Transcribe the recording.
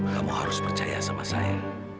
kamu harus percaya sama saya